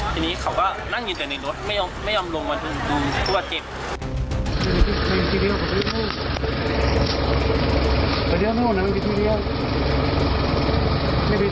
ทีนี้เขาก็นั่งอยู่แต่ในรถไม่ยอมลงมาดูผู้บาดเจ็บ